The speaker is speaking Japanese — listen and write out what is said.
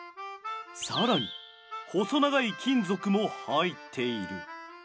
更に細長い金属も入っている。